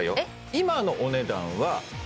今のお値段はえっ？